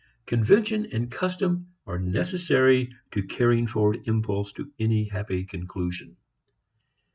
Convention and custom are necessary to carrying forward impulse to any happy conclusion.